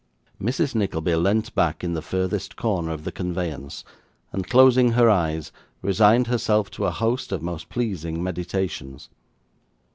Mrs. Nickleby leant back in the furthest corner of the conveyance, and, closing her eyes, resigned herself to a host of most pleasing meditations.